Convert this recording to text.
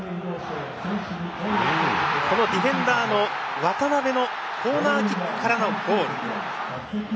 このディフェンダーの渡部のコーナーキックからのゴール。